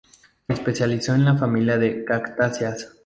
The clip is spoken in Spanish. Se especializó en la familia de las Cactáceas.